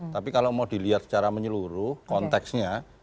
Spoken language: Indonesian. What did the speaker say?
tapi kalau mau dilihat secara menyeluruh konteksnya